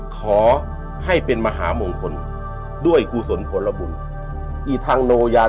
ขอให้เป็นมหามงคลโดยกูศลพลบุญ